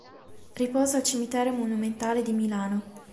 Riposa al cimitero monumentale di Milano;.